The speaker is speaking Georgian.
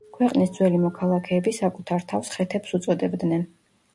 ქვეყნის ძველი მოქალაქეები საკუთარ თავს ხეთებს უწოდებდნენ.